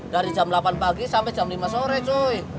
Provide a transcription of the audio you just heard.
dari jam delapan pagi sampai jam lima sore joy